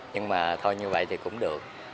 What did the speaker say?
nhưng mà thôi như vậy thì cũng được